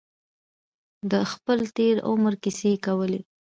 د خپل تېر عمر کیسې یې کولې.